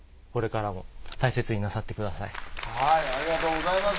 これからも大切になさってください。